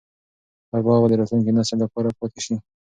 دا باغ به د راتلونکي نسل لپاره پاتې شي.